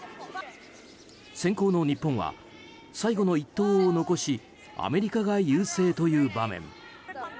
先攻の日本は、最後の一投を残しアメリカが優勢という場面。